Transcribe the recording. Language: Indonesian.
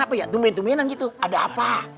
apa ya domin tuminan gitu ada apa